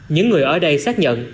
những người ở đây xác nhận